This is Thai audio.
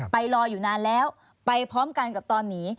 ไปรออยู่นานแล้วไปพร้อมกันกับตอนหนี